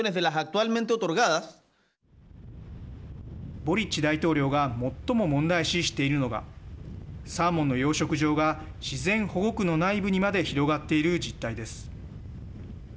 ボリッチ大統領が最も問題視しているのがサーモンの養殖場が自然保護区の内部にまで広がっている実態です。